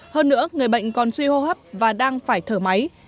hơn nữa người bệnh còn suy hô hấp và đang phải thở máy